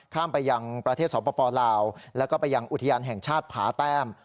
ไปยังประเทศสปลาวแล้วก็ไปยังอุทยานแห่งชาติผาแต้ม